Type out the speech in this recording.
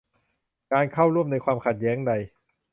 การเข้าร่วมในความขัดแย้งใด